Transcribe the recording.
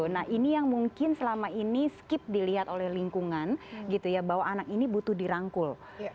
nah ini yang mungkin selama ini skip dilihat oleh lingkungan gitu ya bahwa anak ini butuh dirangkul